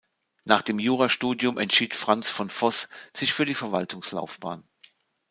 Nach dem Jurastudium entschied Franz von Voß sich für die Verwaltungslaufbahn.